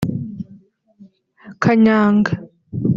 kanyanga)